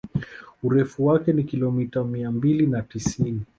Urefu wake wa kilomita mia mbili na tisini